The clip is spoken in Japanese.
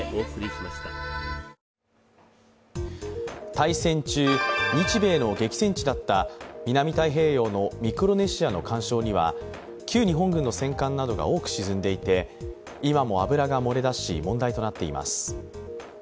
大戦中、日米の激戦地だった南太平洋のミクロネシアの環礁には旧日本軍の戦艦などが多く沈んでいて今も油が漏れ出し、問題となっています。